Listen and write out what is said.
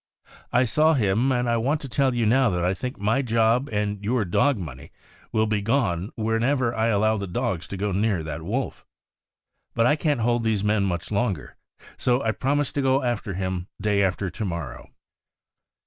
I saw him. and I want to tell you now that I think my job and your dog money will be gone whenever I allow the dogs to go near that wolf. But I can't hold these men much longer, so I promised to go after him day after to morrow."